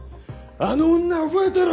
「あの女覚えてろ！」